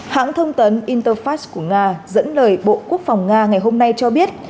hãng thông tấn interfast của nga dẫn lời bộ quốc phòng nga ngày hôm nay cho biết